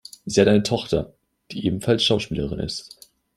Sie hat eine Tochter, die ebenfalls Schauspielerin ist.